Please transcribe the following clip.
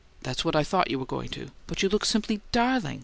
That's what I thought you were going to. But you look simply DARLING!